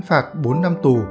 phạt bốn năm tù